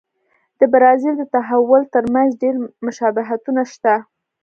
د برازیل د تحول ترمنځ ډېر مشابهتونه شته.